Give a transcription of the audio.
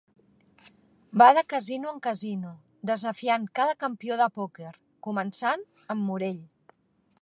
Va de casino en casino, desafiant cada campió de pòquer, començant amb Morell.